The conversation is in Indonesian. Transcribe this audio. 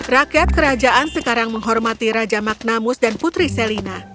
rakyat kerajaan sekarang menghormati raja magnamus dan putri selina